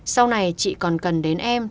sau này chị còn cần đến em